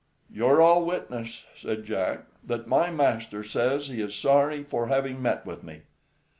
"You're all witness," said Jack, "that my master says he is sorry for having met with me.